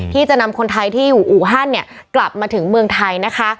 ที่จะนำคนไทยที่อยู่อูฮันเนี่ยกลับมาถึงเมืองไทยนะคะ